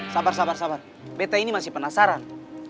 sabar sabar sabar pt ini masih penasaran